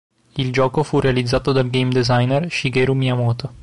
Il gioco fu realizzato dal game designer Shigeru Miyamoto..